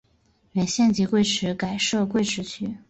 原县级贵池市改设贵池区。